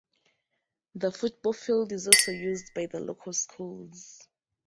The football field is also used by the local schools.